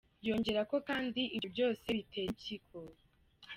Yongera ko kandi ibyo byose bitera impyiko